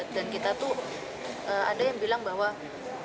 dan kita tuh ada yang bilang bahwa